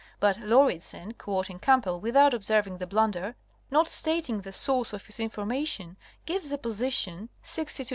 But Lauridsen (quoting Camp bell without observing the blunder?) not stating the source of his information, gives a position (N. Lat.